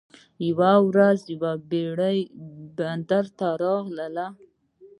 یوه ورځ یوه بیړۍ بندر ته راغله.